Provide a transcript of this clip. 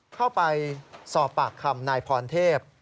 เข้าไปสอบปากคำนายพรเทพ